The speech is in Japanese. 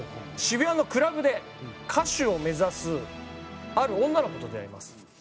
渋谷のクラブで歌手を目指すある女の子と出会います。